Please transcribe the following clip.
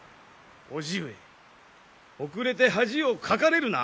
叔父上遅れて恥をかかれるな！